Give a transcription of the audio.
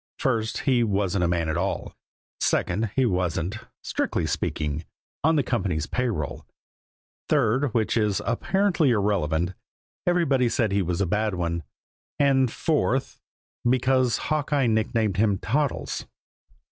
First he wasn't a man at all; second, he wasn't, strictly speaking, on the company's pay roll; third, which is apparently irrelevant, everybody said he was a bad one; and fourth because Hawkeye nicknamed him Toddles.